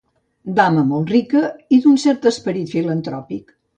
Dama molt rica i d'un cert esperit filantròpic.